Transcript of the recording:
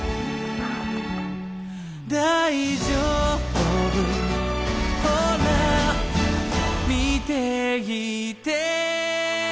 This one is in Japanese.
「『大丈夫ほら見ていて』」